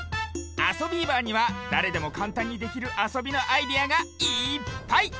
「あそビーバー」にはだれでもかんたんにできるあそびのアイデアがいっぱい！